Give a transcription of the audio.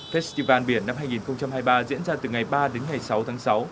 festival biển năm hai nghìn hai mươi ba diễn ra từ ngày ba đến ngày sáu tháng sáu